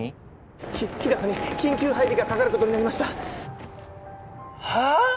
ひっ日高に緊急配備がかかることになりましたはっ！？